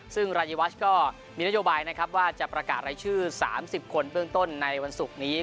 ซึ่งรายวัชก็มีนโยบายนะครับว่าจะประกาศรายชื่อ๓๐คนเบื้องต้นในวันศุกร์นี้